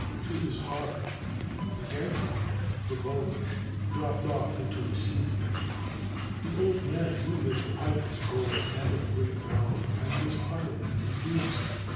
To his horror the gank (the bowl) dropped off into the sea. The old r knew that the pipe was gold and of great value, ; was utterly confused.